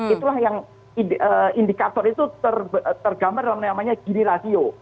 itulah yang indikator itu tergambar dalam namanya gini rasio